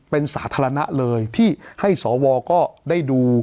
เป็นสาธารณะเลยที่ให้สวก็ได้ดู